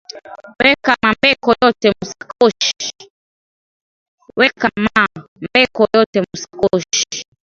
Weka ma mbeko yote mu sakoshi